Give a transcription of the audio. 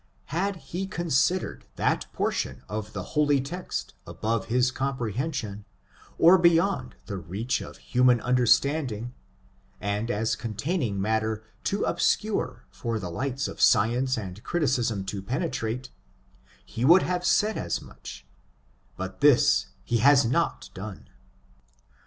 Had he considered that portion of the holy text above his comprehension, or beyond the reach of human understanding, and as containing matter too obscure for the lights of science and criti cism to penetrate, he would have said as much ; but this he has not done.